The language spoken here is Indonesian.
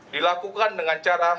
dilakukan dengan cara